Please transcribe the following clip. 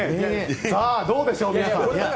どうでしょう、皆さん。